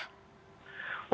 untuk bisa sesuai